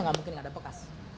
gak mungkin gak ada bekas